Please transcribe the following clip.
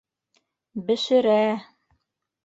Бешерә!